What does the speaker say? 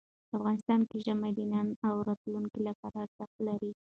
افغانستان کې ژمی د نن او راتلونکي لپاره ارزښت لري.